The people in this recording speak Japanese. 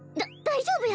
大丈夫